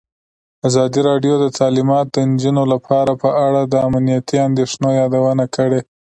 ازادي راډیو د تعلیمات د نجونو لپاره په اړه د امنیتي اندېښنو یادونه کړې.